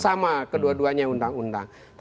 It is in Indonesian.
sama kedua duanya undang undang